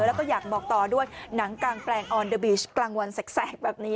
แล้วก็อยากบอกต่อด้วยหนังกางแปลงออนเดอร์บีชกลางวันแสกแบบนี้